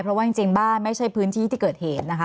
เพราะว่าจริงบ้านไม่ใช่พื้นที่ที่เกิดเหตุนะคะ